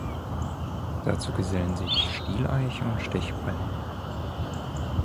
Dazu gesellen sich Stieleiche und Stechpalme.